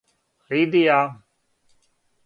Лидија